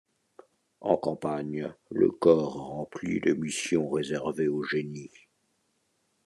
En campagne, le corps remplit les missions réservées au génie.